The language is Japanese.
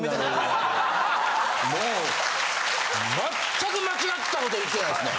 全く間違ったこと言ってないですね。